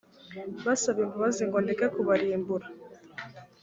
basaba imbabazi ngo ndeke kubarimbura